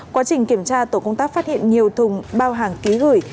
quá trình kiểm tra tổ công tác phát hiện nhiều thùng bao hàng ký gửi